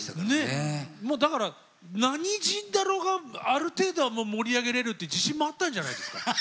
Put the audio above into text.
もうだから何人だろうがある程度はもう盛り上げれるって自信もあったんじゃないですか？